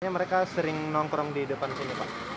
mereka sering nongkrong di depan sini pak